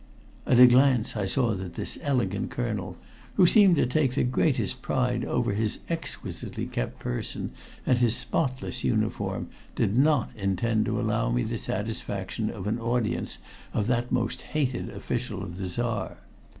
At a glance I saw that this elegant Colonel, who seemed to take the greatest pride over his exquisitely kept person and his spotless uniform, did not intend to allow me the satisfaction of an audience of that most hated official of the Czar.